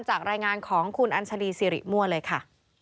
จากรายงานของคุณอัญชรีสิริมั่วเลยค่ะ